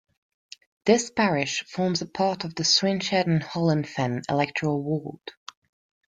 This parish forms part of the Swineshead and Holland Fen electoral ward.